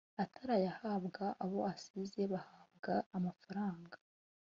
atarayahabwa abo asize bahabwa amafaranga